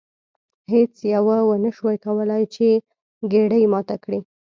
هیڅ یوه ونشوای کولی چې ګېډۍ ماته کړي.